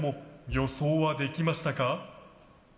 予想できました。